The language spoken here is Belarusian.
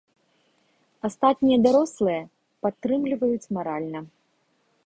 Астатнія дарослыя падтрымліваюць маральна.